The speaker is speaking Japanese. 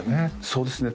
そうですね